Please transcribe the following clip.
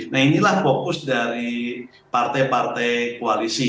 nah inilah fokus dari partai partai koalisi